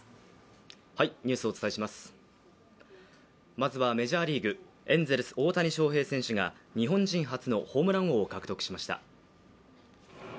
まずはメジャーリーグ、エンゼルス・大谷翔平選手が日本人初のホームラン王を獲得しました。